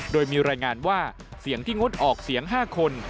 โดยมีรายงานว่าเสียงที่งดออกเสียง๕คน